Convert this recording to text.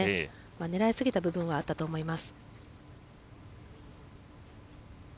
狙いすぎた部分はあったと思います。